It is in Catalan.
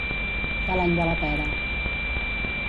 De l'any de la pera.